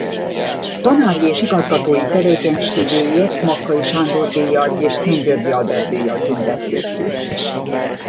Tanári és igazgatói tevékenységéért Makkai Sándor-díjjal és Szent-Györgyi Albert-díjjal tüntették ki.